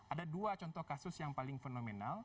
ada dua contoh kasus yang paling fenomenal